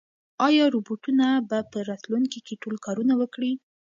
ایا روبوټونه به په راتلونکي کې ټول کارونه وکړي؟